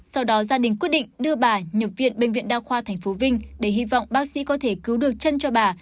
sau đó gia đình quyết định đưa bà nhập viện bệnh viện đa khoa tp vinh để hy vọng bác sĩ có thể cứu được chân cho bà